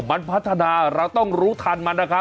มันพัฒนาเราต้องรู้ทันมัน